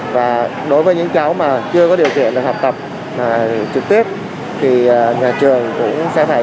và đối với những cháu mà chưa có điều kiện học tập trực tiếp thì nhà trường cũng sẽ phải